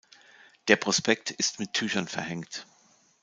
Der Prospekt ist mit Tüchern verhängt.